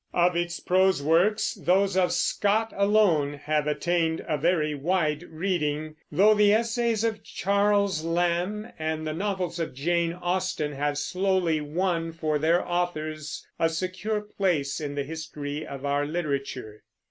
Of its prose works, those of Scott alone have attained a very wide reading, though the essays of Charles Lamb and the novels of Jane Austen have slowly won for their authors a secure place in the history of our literature.